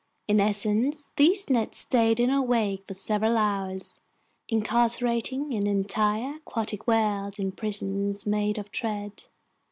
In essence, these nets stayed in our wake for several hours, incarcerating an entire aquatic world in prisons made of thread.